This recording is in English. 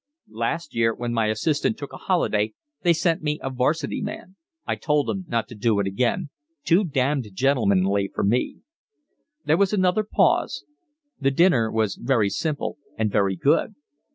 "Last year when my assistant took a holiday they sent me a 'Varsity man. I told 'em not to do it again. Too damned gentlemanly for me." There was another pause. The dinner was very simple and very good.